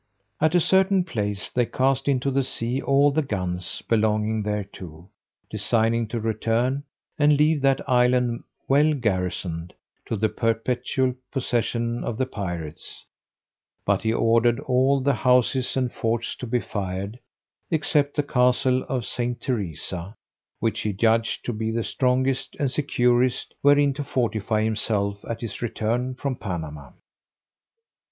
At a certain place they cast into the sea all the guns belonging thereto, designing to return, and leave that island well garrisoned, to the perpetual possession of the pirates; but he ordered all the houses and forts to be fired, except the castle of St. Teresa, which he judged to be the strongest and securest wherein to fortify himself at his return from Panama.